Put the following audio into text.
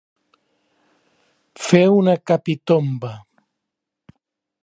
Fer una capitomba.